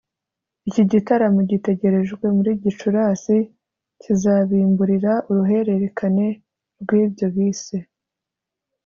Iki gitaramo gitegerejwe muri Gicurasi kizabimburira uruhererekane rw’ibyo bise